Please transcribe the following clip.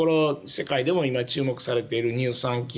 世界でも今、注目されている乳酸菌